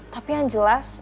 tapi yang jelas